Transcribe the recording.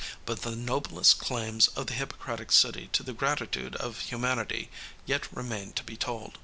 " But the noblest claims of the Hippocratic city to the gratitude of humanity yet remain to be told.